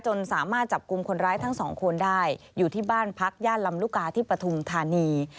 สามารถจับกลุ่มคนร้ายทั้งสองคนได้อยู่ที่บ้านพักย่านลำลูกกาที่ปฐุมธานี